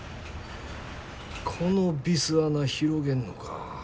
このビス穴広げんのか。